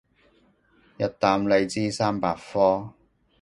日啖荔枝三百顆